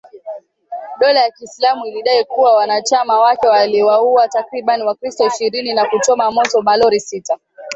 dola ya kiislamu ilidai kuwa wanachama wake waliwauwa takribani wakristo ishirini na kuchoma moto malori sita